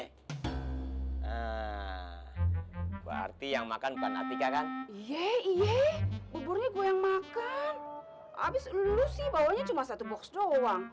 berarti yang makan bukan atika kan yeh buburnya gue yang makan habis lulus sih bawanya cuma satu box doang